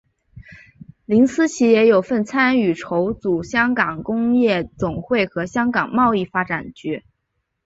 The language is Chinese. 林思齐也有份参与筹组香港工业总会和香港贸易发展局。